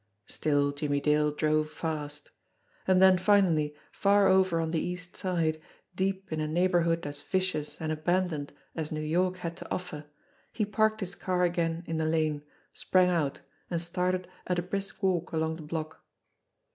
Still Jimmie Dale drove fast. And then finally, far over on the East Side, deep in a neighbourhood as vicious and abandoned as New York had to offer, he parked his car again in a lane, sprang out, and started at a brisk walk along the block.